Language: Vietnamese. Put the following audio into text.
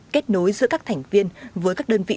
kết nối giữa các thành viên với các đơn vị